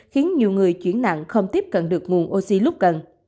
khiến nhiều người chuyển nặng không tiếp cận được nguồn oxy lúc cần